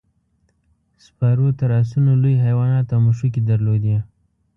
سپارو تر اسونو لوی حیوانات او مښوکې درلودې.